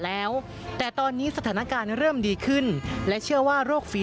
บริเวณหน้าสารพระการอำเภอเมืองจังหวัดลบบุรี